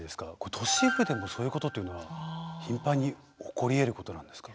都市部でもそういうことっていうのは頻繁に起こりえることなんですか？